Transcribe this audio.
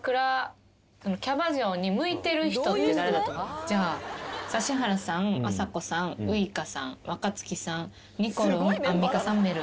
じゃあ指原さんあさこさんウイカさん若槻さんにこるんアンミカさんめるる。